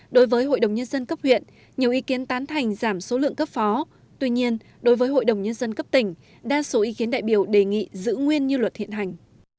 đối với hội đồng nhân dân cấp huyện nhiều ý kiến tán thành giảm số lượng cấp phó tuy nhiên đối với hội đồng nhân dân cấp tỉnh đa số ý kiến đại biểu đề nghị giữ nguyên như luật hiện hành